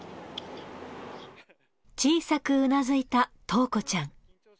小さくうなずいた桃子ちゃん。